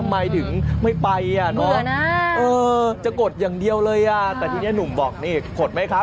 มิตเตอร์หรือเปล่า